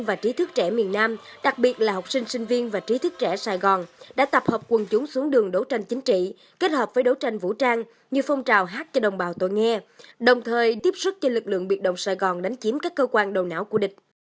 và trí thức trẻ miền nam đặc biệt là học sinh sinh viên và trí thức trẻ sài gòn đã tập hợp quân chúng xuống đường đấu tranh chính trị kết hợp với đấu tranh vũ trang như phong trào hát cho đồng bào tôi nghe đồng thời tiếp sức cho lực lượng biệt động sài gòn đánh chiếm các cơ quan đầu não của địch